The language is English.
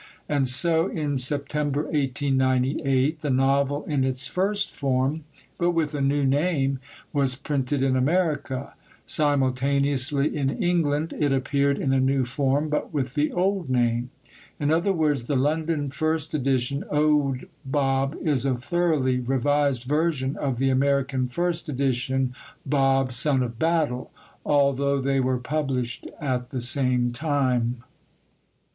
And so, in September, 1898, the novel in its first form, but with a new name, was printed in America; simultaneously in England it appeared in a new form, but with the old name. In other words, the London first edition, Owd Bob, is a thoroughly revised version of the American first edition, Bob, Son of Battle, although they were published at the same time.